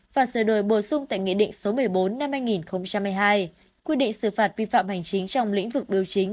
và sửa đổi bổ sung tại nghị định số một mươi bốn năm hai nghìn hai mươi hai quy định xử phạt vi phạm hành chính trong lĩnh vực biểu chính